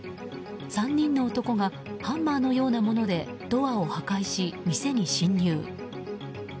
３人の男がハンマーのようなものでドアを破壊し、店に侵入。